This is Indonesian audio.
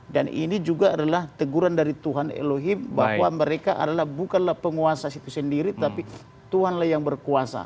dan ini juga adalah teguran dari tuhan elohim bahwa mereka adalah bukanlah penguasa itu sendiri tapi tuhan lah yang berkuasa